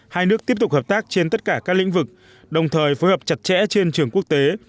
hai nước tiếp tục hợp tác trên tất cả các lĩnh vực đồng thời phối hợp chặt chẽ trên trường quốc tế